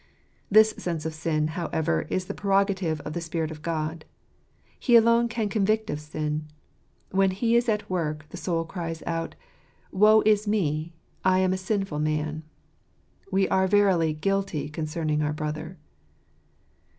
This sense of sin, however, is the prerogative of the Spirit of God. He alone can convict of sin. When He is at work, the soul cries out, " Woe is me, I am a sinful man !" "We are verily guilty concerning our brother."